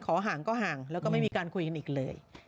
ห่างก็ห่างแล้วก็ไม่มีการคุยกันอีกเลย